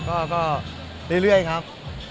ก็เรื่อยครับ